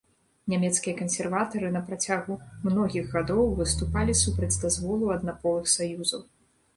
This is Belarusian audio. Нямецкія кансерватары на працягу многіх гадоў выступалі супраць дазволу аднаполых саюзаў.